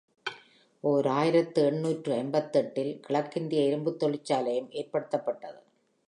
ஓர் ஆயிரத்து எண்ணூற்று ஐம்பத்தெட்டு இல் கிழக்கிந்திய இரும்புத் தொழிற்சாலையும் ஏற்படுத்தப்பட்டது.